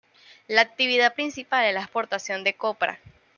La actividad principal es la exportación de copra.